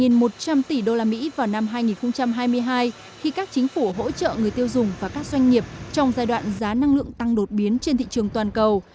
một trăm linh tỷ usd vào năm hai nghìn hai mươi hai khi các chính phủ hỗ trợ người tiêu dùng và các doanh nghiệp trong giai đoạn giá năng lượng tăng đột biến trên thị trường toàn cầu